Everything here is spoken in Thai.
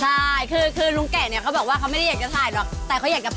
ใช่คือลุงแกะเนี่ยเขาบอกว่าเขาไม่ได้อยากจะถ่ายหรอกแต่เขาอยากจะไป